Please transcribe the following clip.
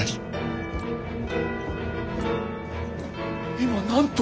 今なんと？